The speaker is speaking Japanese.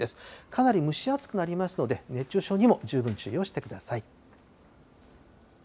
かなり蒸し暑くなりますので、熱中症にも十分注意をしてください。